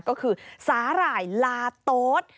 ก็คือสาหร่ายลาโต๊ด